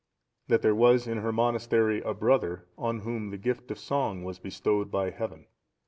That there was in her monastery a brother, on whom the gift of song was bestowed by Heaven.